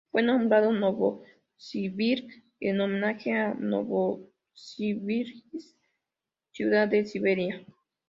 Fue nombrado Novosibirsk en homenaje a Novosibirsk ciudad de Siberia.